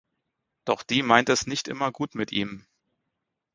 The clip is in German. Doch die meint es nicht immer gut mit ihm.